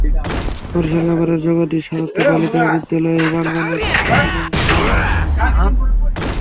বরিশাল নগরের জগদীশ সারস্বত বালিকা বিদ্যালয় প্রাঙ্গণে বাসন্তী রঙে মঞ্চ সাজানো হয়েছিল।